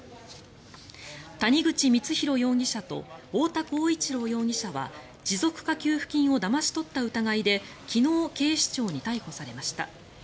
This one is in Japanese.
谷口光弘容疑者と太田浩一朗容疑者は持続化給付金をだまし取った疑いで昨日、警視庁に逮捕されました。